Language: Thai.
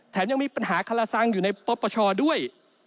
ยังมีปัญหาคาลาซังอยู่ในปปชด้วย